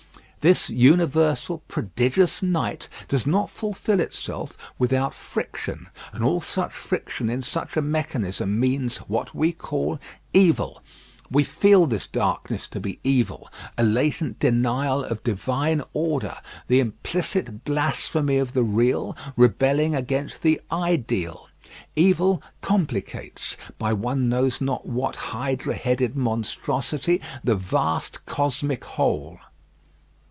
This universal, prodigious night does not fulfil itself, without friction, and all such friction in such a mechanism means what we call evil. We feel this darkness to be evil, a latent denial of divine order, the implicit blasphemy of the real rebelling against the ideal. Evil complicates, by one knows not what hydra headed monstrosity, the vast, cosmic whole.